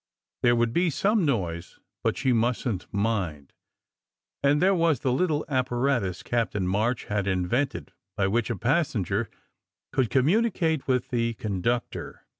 There would be some noise, but she mustn t mind; and there was the little apparatus Captain March had in vented, by which a passenger could communicate with the conductor.